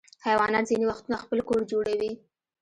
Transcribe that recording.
حیوانات ځینې وختونه خپل کور جوړوي.